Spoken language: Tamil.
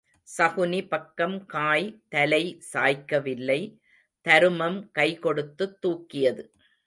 சகுனி பக்கம் காய் தலை சாய்க்கவில்லை தருமம் கை கொடுத்துத் தூக்கியது.